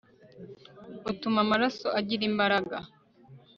utuma amaraso agira imbaraga